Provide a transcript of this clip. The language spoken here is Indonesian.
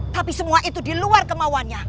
tapi semua itu di luar kemauannya